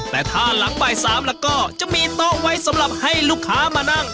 แต่ถ้าหลังบ่าย๓แล้วก็จะมีโต๊ะไว้สำหรับให้ลูกค้ามานั่ง